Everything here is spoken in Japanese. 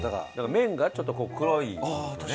麺がちょっと黒いんですよね。